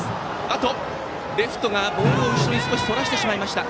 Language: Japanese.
あっとレフトがボールを後ろにそらしてしまいました。